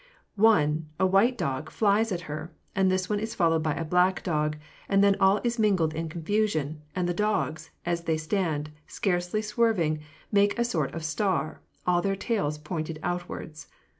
one, a white dog, flies at her ; and this one is followed by a black dog ; and then all is mingled in confusion, and the dogs, as they stand, scarcely swerving, make a sort of star, all their tails pointing outwards.